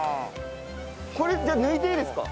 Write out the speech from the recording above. これ抜いていいですか？